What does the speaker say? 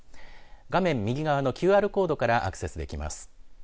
画面右側のＱＲコードからアクセスできます。